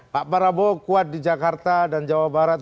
pak prabowo kuat di jakarta dan jawa barat